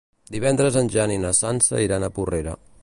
Divendres en Jan i na Sança iran a Porrera.